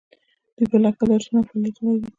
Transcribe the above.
دوی به لا ښه درسونه او فعالیتونه ولري.